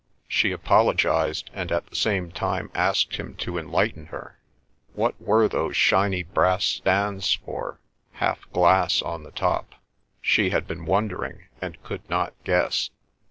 She apologised, and at the same time asked him to enlighten her: what were those shiny brass stands for, half glass on the top? She had been wondering, and could not guess.